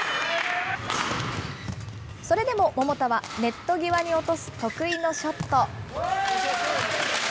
それでも桃田はネット際に落とす得意のショット。